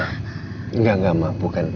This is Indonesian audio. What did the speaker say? enggak enggak ma bukan